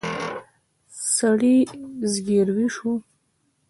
سړي زګېروی شو.